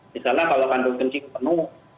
misalnya kalau kandung kencing penuh